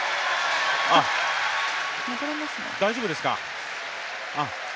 あっ大丈夫ですか。